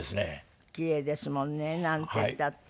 キレイですもんねなんていったって。